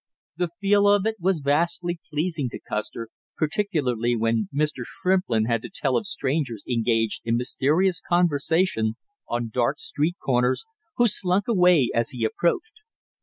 The feel of it was vastly pleasing to Custer, particularly when Mr. Shrimplin had to tell of strangers engaged in mysterious conversation on dark street corners, who slunk away as he approached.